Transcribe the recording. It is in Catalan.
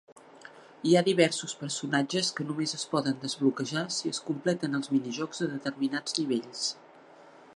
Hi ha diversos personatges que només es poden desbloquejar si es completen els minijocs de determinats nivells.